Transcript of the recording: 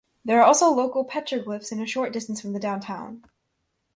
There are also local petroglyphs a short distance from the downtown.